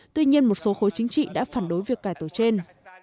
tuy nhiên một số khối chính trị đã phản đối việc cải tổ trên